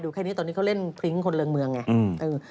ดูแค่นี้เขาเล่นทริงของคนเริงเมืองไง